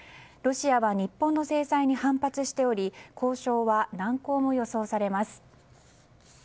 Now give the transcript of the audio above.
ロシアは日本の制裁に反発しており交渉は難航も予想されます。